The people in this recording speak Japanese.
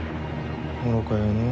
愚かよのう。